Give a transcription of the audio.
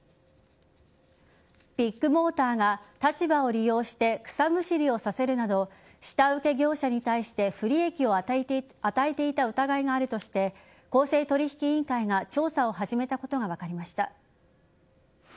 ビッグモーターが立場を利用して草むしりをさせるなど下請け業者に対して不利益を与えていた疑いがあるとして公正取引委員会が調査を始めたことが分かりました。